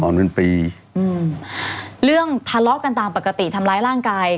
เป็นปีอืมเรื่องทะเลาะกันตามปกติทำร้ายร่างกาย